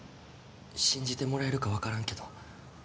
信じてもらえるか分からんけど